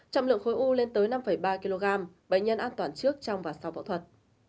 trọng lượng khối u lên tới năm ba kg bệnh nhân an toàn trước trong và sau phẫu thuật